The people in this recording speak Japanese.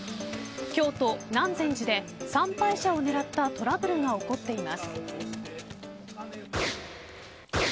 京都、南禅寺で参拝者を狙ったトラブルが起こっています。